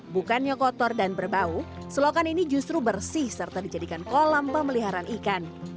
bukannya kotor dan berbau selokan ini justru bersih serta dijadikan kolam pemeliharaan ikan